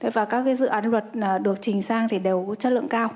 và các dự án luật được trình sang đều chất lượng cao